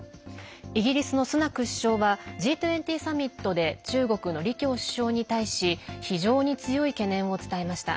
イギリスのスナク首相はＧ２０サミットで中国の李強首相に対し非常に強い懸念を伝えました。